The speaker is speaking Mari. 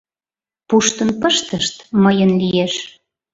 Пуштын пыштышт — мыйын лиеш...